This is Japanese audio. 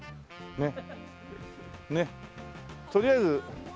ねっ。